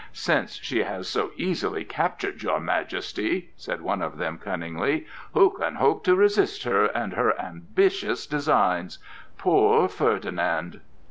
"Since she has so easily captured your majesty," said one of them cunningly, "who can hope to resist her and her ambitious designs? Poor Ferdinand!"